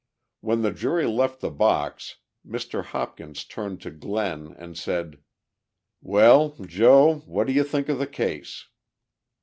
When the jury left the box Mr. Hopkins turned to Glenn and said: "Well, Joe, what do you think of the case?"